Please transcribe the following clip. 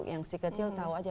yang si kecil tahu aja